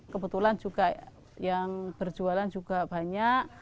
kebetulan juga yang berjualan juga banyak